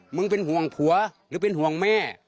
เป็นห่วงผัวหรือเป็นห่วงแม่